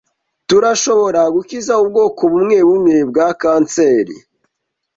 Turashobora gukiza ubwoko bumwebumwe bwa kanseri.